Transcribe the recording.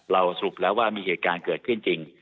สรุปแล้วว่ามีเหตุการณ์เกิดขึ้นจริง